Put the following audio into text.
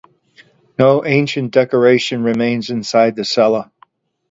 No ancient decoration remains inside the cella.